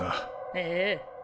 ええ。